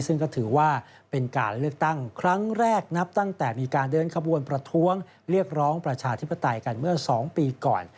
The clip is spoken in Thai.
ซึ่งก็ถือว่าเป็นการเลือกตั้งครั้งแรกนับตั้งแต่มีการเดินขบวนประท้วงเรียกร้องประชาธิปไตยกันเมื่อ๒ปีก่อน